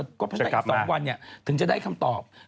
สัก๒วันถึงจะได้คำตอบ